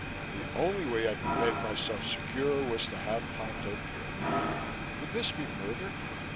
The only way I could make myself secure was to have Ponto killed. Would this be murder?